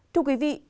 chào quý vị